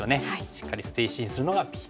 しっかり捨て石にするのがＢ。